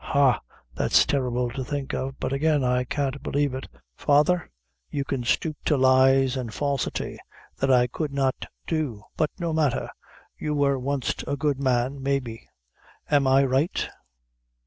Ha, that's terrible to think of; but again, I can't believe it. Father, you can stoop to lies an' falsity that I could not do; but no matther; you wor wanst a good man, maybe. Am I right?"